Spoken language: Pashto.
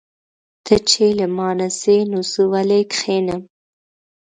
ته چې له مانه ځې نو زه ولې کښېنم.